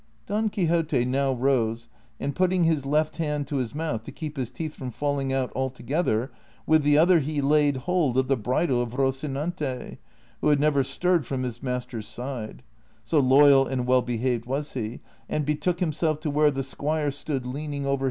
Don Quixote now rose, and putting his left hand to his mouth to keep his teeth from falling out altogether, with the other he laid hold of the bridle of Rocinante, who had never stirred from his master's side — so loyal and well behaved was he — and betook himself to where the squire stood leaning over ' See chapter vii. CHAPTER XVIII.